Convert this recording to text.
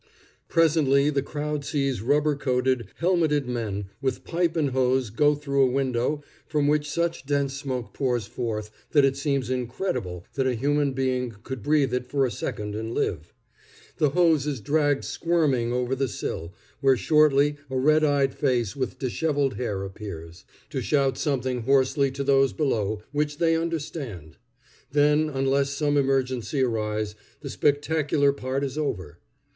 Presently the crowd sees rubber coated, helmeted men with pipe and hose go through a window from which such dense smoke pours forth that it seems incredible that a human being could breathe it for a second and live. The hose is dragged squirming over the sill, where shortly a red eyed face with disheveled hair appears, to shout something hoarsely to those below, which they understand. Then, unless some emergency arise, the spectacular part is over.